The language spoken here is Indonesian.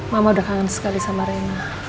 mama udah kangen sekali sama rena